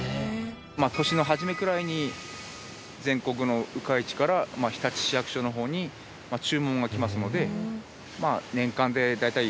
年の初めくらいに全国の鵜飼地から日立市役所の方に注文が来ますので。